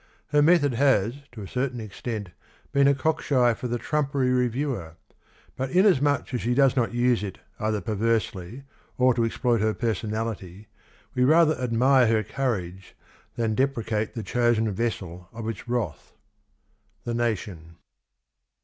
... Her method has to a certain extent been a cockshy for the trumpery re^'iewer, but inasmuch as she does not use it either per versely or to exploit her personality, we rather admire her courage than deprecate the chosen vessel of its wrath." — The Nation.